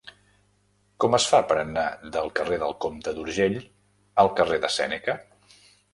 Com es fa per anar del carrer del Comte d'Urgell al carrer de Sèneca?